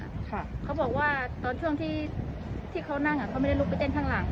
เขาบอกว่าตอนช่วงที่ที่เขานั่งอ่ะเขาไม่ได้ลุกไปเต้นข้างหลัง